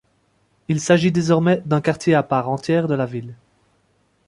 Il s'agit désormais d'un quartier à part entière de la ville.